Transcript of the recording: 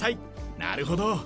なるほど。